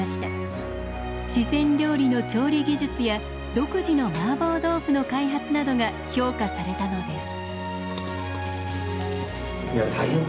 四川料理の調理技術や独自のマーボー豆腐の開発などが評価されたのです。